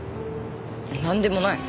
なんでもない。